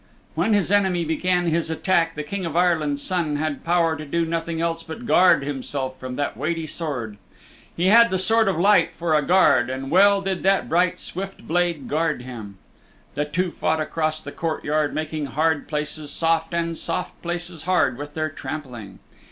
When his enemy began his attack the King of Ireland's Son had power to do nothing else but guard himself from that weighty sword. He had the Sword of Light for a guard and well did that bright, swift blade guard him. The two fought across the courtyard making hard places soft and soft places hard with their trampling.